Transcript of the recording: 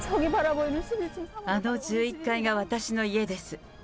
あの１１階が私の家です。